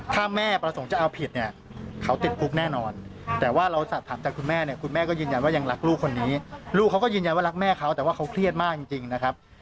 ถ้าแม่ประสงค์จะเอาผิดเนี่ยเขาติดคุกแน่นอนแต่ว่าเราสอบถามจากคุณแม่เนี่ยคุณแม่ก็ยืนยันว่ายังรักลูกคนนี้ลูกเขาก็ยืนยันว่ารักแม่เขาแต่ว่าเขาเครียดมากจริงนะครับ